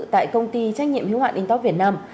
tại công ty trách nhiệm hiếu hạn intok việt nam